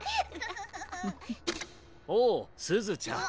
おおすずちゃん。